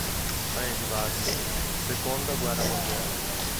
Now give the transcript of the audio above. Paesi Bassi, seconda guerra mondiale.